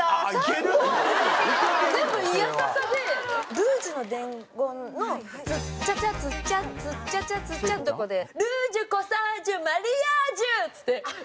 『ルージュの伝言』の「ズッチャチャズッチャズッチャチャズッチャ」のとこで「ルージュコサージュマリアージュ」っつって。